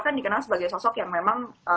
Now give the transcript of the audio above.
kan dikenal sebagai sosok yang memang